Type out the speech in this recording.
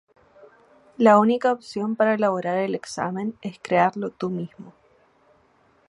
La única opción para elaborar el examen es crearlo tú mismo.